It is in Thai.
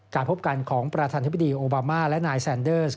พบกันของประธานธิบดีโอบามาและนายแซนเดอร์ส